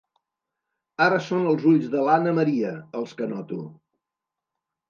Ara són els ulls de l'Anna Maria, els que noto.